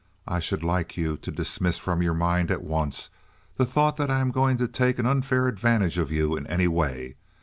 I should like you to dismiss from your mind at once the thought that I am going to take an unfair advantage of you in any way.